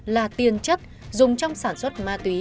là tiền chất dùng trong sản xuất ma túy